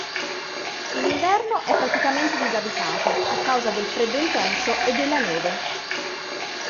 In inverno è praticamente disabitato, a causa del freddo intenso e della neve.